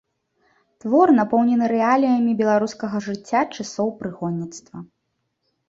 Твор напоўнены рэаліямі беларускага жыцця часоў прыгонніцтва.